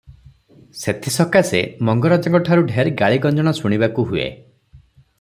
ସେଥିସକାଶେ ମଙ୍ଗରାଜଙ୍କଠାରୁ ଢେର୍ ଗାଳି ଗଞ୍ଜଣା ଶୁଣିବାକୁ ହୁଏ ।